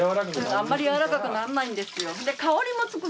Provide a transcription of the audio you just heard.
あまりやわらかくならないんです。